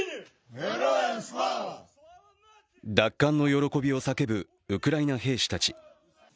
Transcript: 奪還の喜びを叫ぶウクライナ兵士たち。